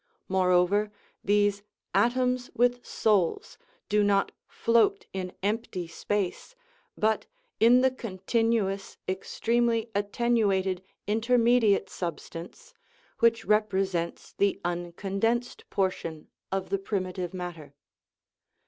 Moreover, these " atoms with souls" do not float in empty space, but in the continuous, extremely attenuated intermediate substance, which represents the uncondensed portion of the primitive matter.